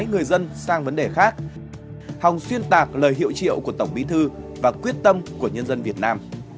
người dân sang vấn đề khác hòng xuyên tạc lời hiệu triệu của tổng bí thư và quyết tâm của nhân dân việt nam